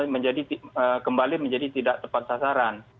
menjadi kembali menjadi tidak tepat sasaran